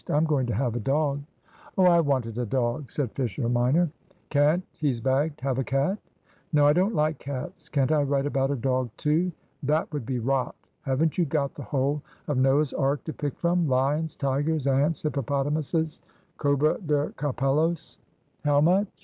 I'm going to have a dog." "Oh, I wanted a dog," said Fisher minor. "Can't; he's bagged. Have a cat?" "No, I don't like cats can't I write about a dog too?" "That would be rot. Haven't you got the whole of Noah's Ark to pick from lions, tigers, ants, hippopotamuses, cobra de capellos?" "How much?"